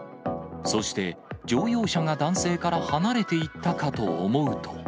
そして、乗用車が男性から離れていったかと思うと。